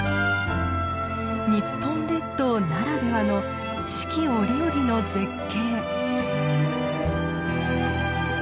日本列島ならではの四季折々の絶景。